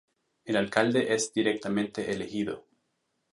El alcalde es directamente elegido.